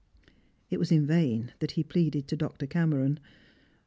It was in vain that he pleaded with Dr. Cameron.